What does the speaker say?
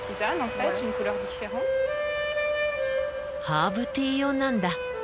ハーブティー用なんだ。